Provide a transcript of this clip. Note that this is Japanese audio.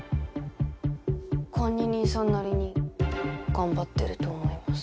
管理人さんなりに頑張ってると思います。